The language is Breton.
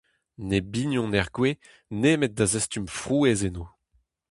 Ne bignont er gwez nemet da zastum frouezh enno.